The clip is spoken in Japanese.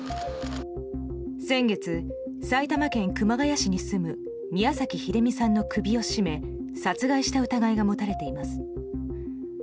先月、埼玉県熊谷市に住む宮崎英美さんの首を絞め殺害した疑いが持たれています。